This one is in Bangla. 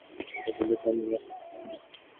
আমাদের কিন্তু ট্রেনিং এ এটাই শেখানো হয়।